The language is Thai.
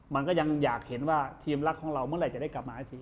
มันก็ยังอยากเห็นว่าทีมรักของเราเมื่อไหร่จะได้กลับมาอีกที